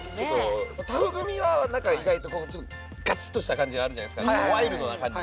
タフグミは意外とちょっとガチっとした感じあるじゃないですかワイルドな感じ